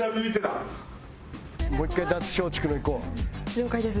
了解です。